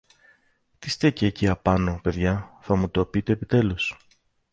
Τι στέκει εκεί απάνω, παιδιά, θα μου το πείτε επιτέλους;